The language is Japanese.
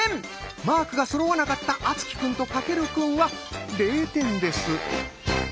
マークがそろわなかった敦貴くんと翔くんは０点です。